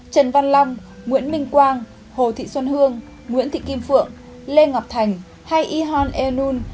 trần văn long nguyễn minh quang hồ thị xuân hương nguyễn thị kim phượng lê ngọc thành hay ihon e nun